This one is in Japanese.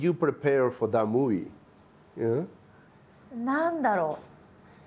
何だろう。